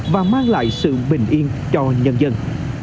và mang lại sự bình yên cho nhân dân